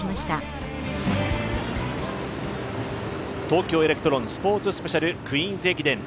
東京エレクトロンスポーツスペシャルクイーンズ駅伝。